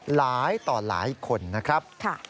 หลายต่อหลายคนนะครับ